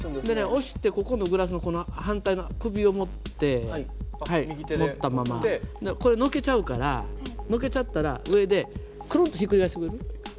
押してここのグラスの首を持ってこれのけちゃうからのけちゃったら上でくるんとひっくり返してくれる？